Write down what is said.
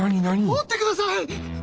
追ってください！